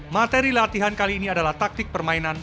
materi latihan kali ini adalah taktik permainan